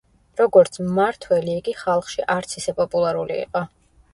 როგორც მმართველი, იგი ხალხში არც ისე პოპულარული იყო.